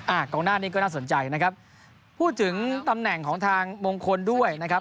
กองหน้านี้ก็น่าสนใจนะครับพูดถึงตำแหน่งของทางมงคลด้วยนะครับ